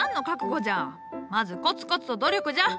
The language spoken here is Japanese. まずコツコツと努力じゃ。